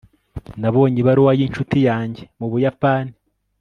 nabonye ibaruwa yincuti yanjye mu buyapani